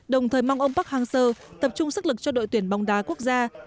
đồng thời mong ông park hang seo tập trung sức lực cho đội tuyển bóng đá quốc gia